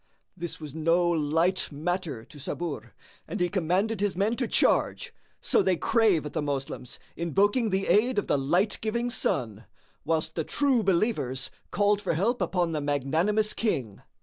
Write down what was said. This was no light matter to Sabur and he commanded his men to charge; so they drave at the Moslems, invoking the aid of the light giving Sun, whilst the True Believers called for help upon the Magnanimous King.